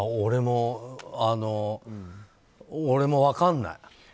俺も分かんない。